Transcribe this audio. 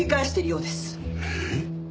えっ？